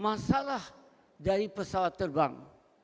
masalah dari pesawat terbang